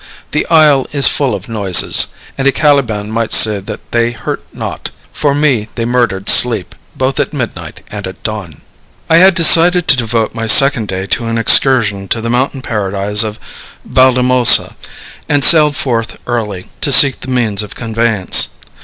The isle is full of noises, and a Caliban might say that they hurt not; for me they murdered sleep, both at midnight and at dawn. I had decided to devote my second day to an excursion to the mountain paradise of Valdemosa, and sallied forth early, to seek the means of conveyance.